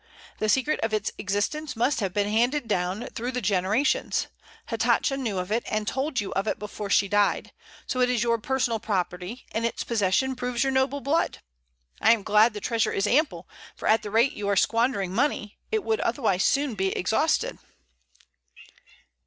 The secret of its existence must have been handed down through the generations. Hatatcha knew, and told you of it before she died; so it is your personal property, and its possession proves your noble blood. I am glad the treasure is ample; for at the rate you are squandering money, it would otherwise be soon exhausted."